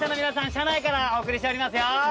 車内からお送りしておりますよ。